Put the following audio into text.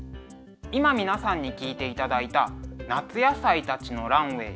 今皆さんに聴いていただいた「夏野菜たちのランウェイ」。